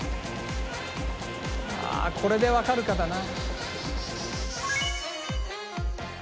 ああこれでわかるかだな。